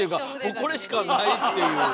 これしかないっていう。